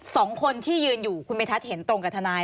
สองคนที่ยืนอยู่คุณเมทัศน์เห็นตรงกับทนาย